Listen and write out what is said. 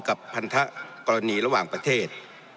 พันธกรณีระหว่างประเทศ